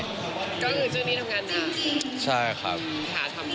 ก็คือชื่อนี้ทำงานค่ะ